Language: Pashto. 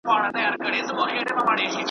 د همزولو په ټولۍ کي ګلدسته یم .